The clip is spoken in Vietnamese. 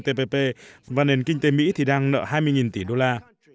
tpp và nền kinh tế mỹ thì đang nợ hai mươi tỷ đô la